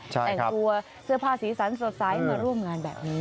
แต่งตัวเสื้อผ้าสีสันสดใสมาร่วมงานแบบนี้